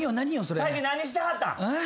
最近何してはったん？